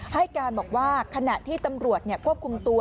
ให้การบอกว่าขณะที่ตำรวจควบคุมตัว